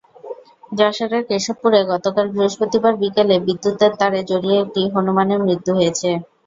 যশোরের কেশবপুরে গতকাল বৃহস্পতিবার বিকেলে বিদ্যুতের তারে জড়িয়ে একটি হনুমানের মৃত্যু হয়েছে।